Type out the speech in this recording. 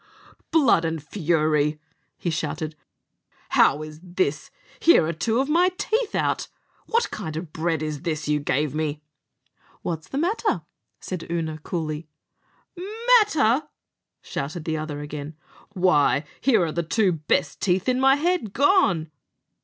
"Blood and fury!" he shouted; "how is this? Here are two of my teeth out! What kind of bread is this you gave me?" "What's the matter?" said Oonagh coolly. "Matter!" shouted the other again; "why, here are the two best teeth in my head gone."